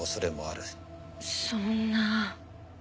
そんな。